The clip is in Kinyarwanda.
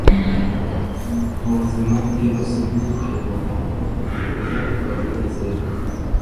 Mubuzima iyo basomye ayo magambo meza baranezerwa.